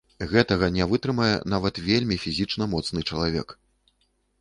Гэтага не вытрымае нават вельмі фізічна моцны чалавек!